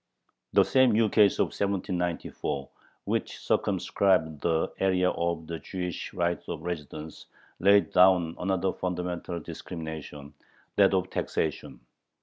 The same ukase of 1794, which circumscribed the area of the Jewish right of residence, laid down another fundamental discrimination, that of taxation.